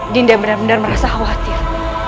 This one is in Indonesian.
dinda benar benar merasa khawatir